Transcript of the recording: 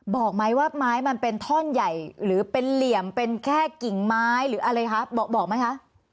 บอกไหมว่าไม้มันเป็นท่อนใหญ่หรือเป็นเหลี่ยมเป็นแค่กิ่งไม้หรืออะไรคะบอกไหมคะ